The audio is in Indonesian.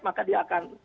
maka dia akan